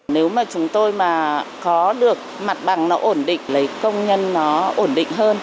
nếu mà chúng tôi mà có được mặt bằng nó ổn định lấy công nhân nó ổn định hơn